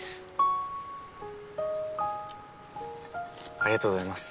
ありがとうございます。